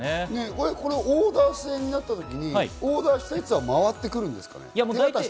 オーダー制になった時にオーダーしたやつは回ってくるんですかね？